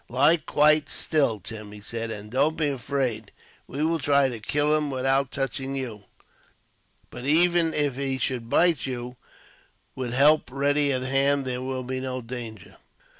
"Lie quite still, Tim," he said, "and don't be afraid. We will try to kill him, without his touching you; but even if he should bite you, with help ready at hand, there will be no danger."